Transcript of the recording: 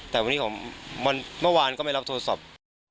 แต่วันนี้ผมเมื่อวานก็ไม่รับโทรศัพท์